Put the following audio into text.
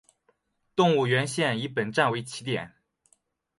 动物园线以本站为起点。